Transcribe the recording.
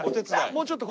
もうちょっと？